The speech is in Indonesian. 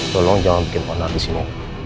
tolong jangan buatrectuinis disini